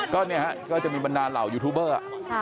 ก็เนี่ยฮะก็จะมีบรรดาเหล่ายูทูบเบอร์